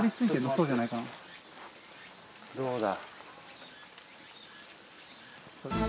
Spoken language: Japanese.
どうだ。